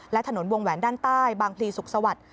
และถนนวงแหวนด้านใต้บางพลีสุขสวัสดิ์